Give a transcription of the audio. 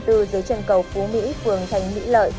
dưới chân cầu phú mỹ phường thành mỹ lợi